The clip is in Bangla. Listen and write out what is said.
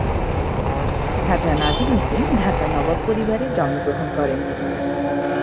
খাজা নাজিমুদ্দিন ঢাকার নবাব পরিবারে জন্মগ্রহণ করেন।